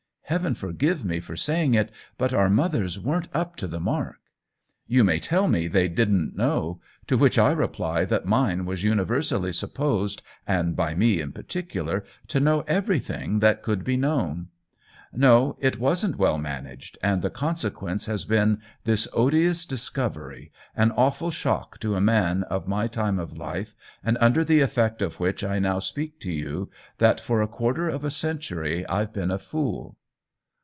Heaven forgive me for saying it, but our mothers weren't up to the mark ! You may tell me they didn't know; to which I reply that mine was universally supposed, and by me in particular, to know everything that could be known. No, it wasn't well managed, and the consequence has been this odious discovery, an awful shock to a man of my time of life, and under the effect of which I now speak to you, that THE WHEEL OF TIME 75 for a quarter of a century IVe been a fool."